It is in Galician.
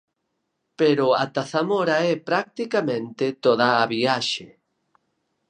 Pero ata Zamora é, practicamente, toda a viaxe.